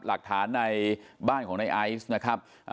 หลักฐานในบ้านของในไอซ์นะครับ